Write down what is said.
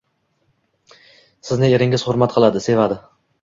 Sizni eringiz hurmat qiladi, sevadi